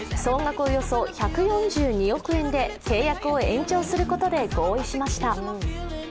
およそ１４２億円で契約を延長することで合意しました。